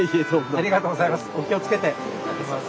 ありがとうございます。